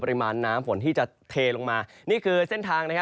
ปริมาณน้ำฝนที่จะเทลงมานี่คือเส้นทางนะครับ